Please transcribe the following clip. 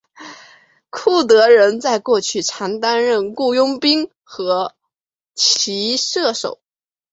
库德人在过去常担任雇佣兵和骑射手。